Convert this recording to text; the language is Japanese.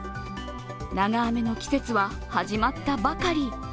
長雨の季節は始まったばかり。